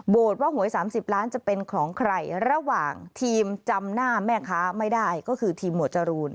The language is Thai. ว่าหวย๓๐ล้านจะเป็นของใครระหว่างทีมจำหน้าแม่ค้าไม่ได้ก็คือทีมหมวดจรูน